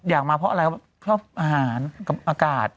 อยากมาเพราะอะไรครับชอบอาหารกับอากาศ